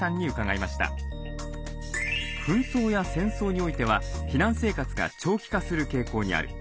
紛争や戦争においては避難生活が長期化する傾向にある。